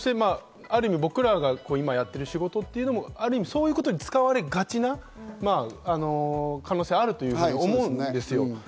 ある意味、僕らが今やっている仕事というのもそういうことに使われがちな可能性があると思うんですよ。